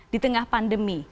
di tengah pandemi